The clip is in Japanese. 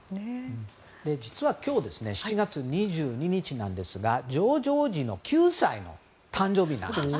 実は今日７月２２日なんですがジョージ王子の９歳の誕生日なんです。